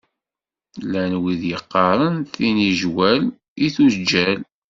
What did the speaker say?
Llan wid yeqqaṛen tinijwal i tujjal.